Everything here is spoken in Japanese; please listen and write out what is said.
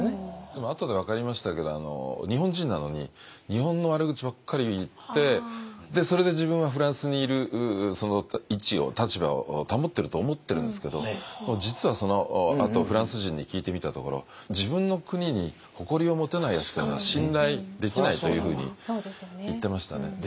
でもあとで分かりましたけど日本人なのに日本の悪口ばっかり言ってでそれで自分はフランスにいる位置を立場を保ってると思ってるんですけど実はそのあとフランス人に聞いてみたところ自分の国に誇りを持てないやつというのは信頼できないというふうに言ってましたね。